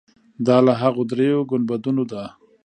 دا له هغو درېیو ګنبدونو ده.